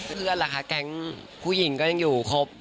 ล่ะคะแก๊งผู้หญิงก็ยังอยู่ครบ